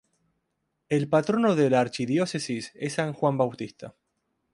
El patrono de la Archidiócesis es san Juan Bautista.